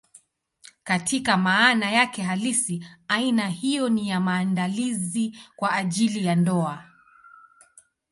Katika maana yake halisi, aina hiyo ni ya maandalizi kwa ajili ya ndoa.